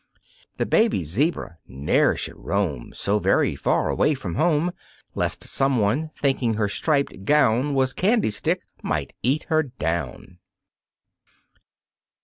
The baby zebra ne'er should roam So very far away from home, Lest someone, thinking her striped gown Was candy stick, might eat her down.